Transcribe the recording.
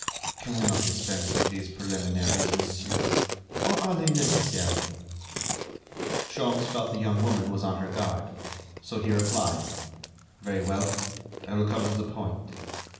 "Can we not dispense with these preliminaries, monsieur? Or are they necessary?" Sholmes felt the young woman was on her guard, so he replied: "Very well; I will come to the point.